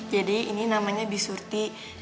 jadi ini namanya bisurti